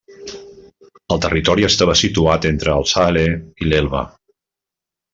El territori estava situat entre el Saale i l'Elba.